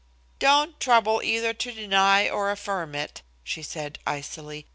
"Don't trouble either to deny or affirm it," she said icily.